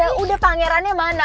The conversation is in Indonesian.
ya udah pangerannya mana